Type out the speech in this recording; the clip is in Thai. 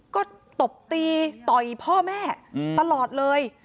ก็ตบตีต่อยพ่อแม่ตลอดเลย